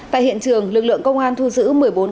tại hiện trường lực lượng công an thu giữ một mươi triệu đồng